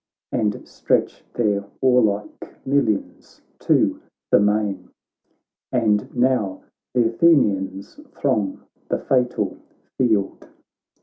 And stretch their warlike millions to the main ; And now th' Athenians throng the fatal field.